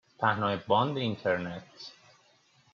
پهنای باند اینترنت